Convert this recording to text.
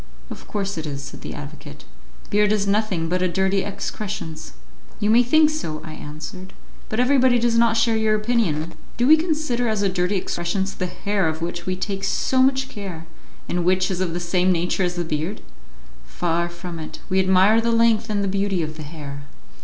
"Of course it is," said the advocate. "Beard is nothing but a dirty excrescence." "You may think so," I answered, "but everybody does not share your opinion. Do we consider as a dirty excrescence the hair of which we take so much care, and which is of the same nature as the beard? Far from it; we admire the length and the beauty of the hair."